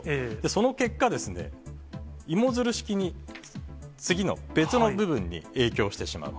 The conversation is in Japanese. その結果、芋づる式に、次の、別の部分に影響してしまう。